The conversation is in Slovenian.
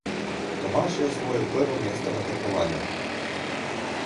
Tomaž je osvojil prvo mesto na tekmovanju.